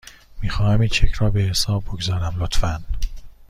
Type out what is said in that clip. میخواهم این چک را به حساب بگذارم، لطفاً.